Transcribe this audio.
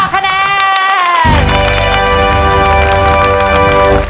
คะแนน